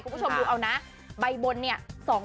คุณผู้ชมดูเอานะใบบนเนี่ย